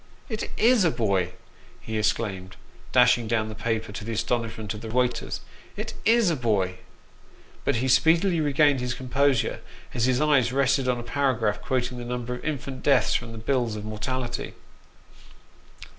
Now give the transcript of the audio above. "It is a boy!" he exclaimed, dashing down the paper, to the astonishment of the waiters. " It is a boy !" But he speedily re gained his composure as his eye rested on a paragraph quoting the number of infant deaths from the bills of mortality.